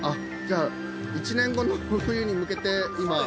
じゃあ１年後の冬に向けて今。